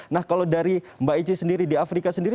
nah kalau dari mbak ici sendiri di afrika sendiri